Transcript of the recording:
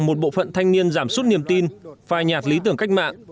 một bộ phận thanh niên giảm suốt niềm tin phai nhạt lý tưởng cách mạng